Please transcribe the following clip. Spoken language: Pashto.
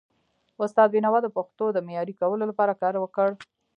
استاد بینوا د پښتو د معیاري کولو لپاره کار وکړ.